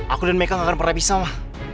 aku dan mereka gak akan pernah bisa ma